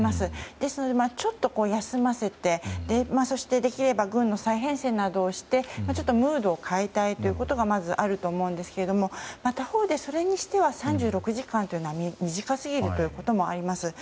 ですので、ちょっと休ませてそしてできれば軍の再編成などをしてムードを変えたいということがまずあると思うんですが他方で、それにしては３６時間というのは短すぎるということもあります。